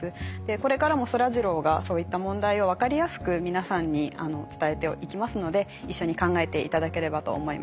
これからもそらジローがそういった問題を分かりやすく皆さんに伝えて行きますので一緒に考えていただければと思います。